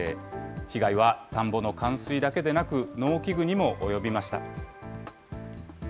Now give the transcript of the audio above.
被害は田んぼの冠水だけでなく、農機具にも及びました。